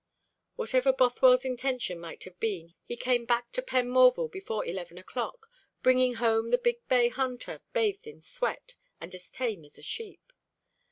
Whatever Bothwell's intention might have been, he came back to Penmorval before eleven o'clock, bringing home the big bay hunter bathed in sweat, and as tame as a sheep.